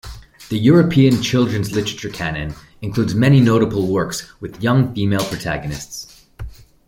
The European children's literature canon includes many notable works with young female protagonists.